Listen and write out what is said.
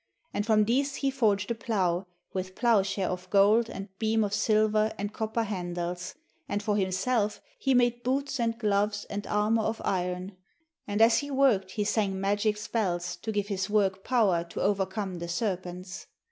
And from these he forged a plough, with ploughshare of gold and beam of silver and copper handles; and for himself he made boots and gloves and armour of iron; and as he worked he sang magic spells to give his work power to overcome the serpents.